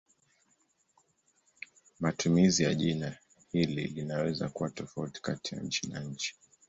Matumizi ya jina hili linaweza kuwa tofauti kati ya nchi na nchi.